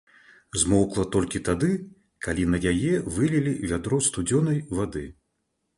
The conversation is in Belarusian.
Змоўкла толькі тады, калі на яе вылілі вядро студзёнай вады.